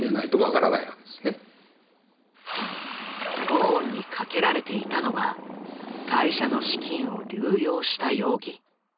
ゴーンにかけられていたのは会社の資金を流用した容疑。